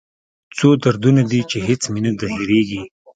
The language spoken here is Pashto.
څو دردونه دي چې هېڅ مې نه هېریږي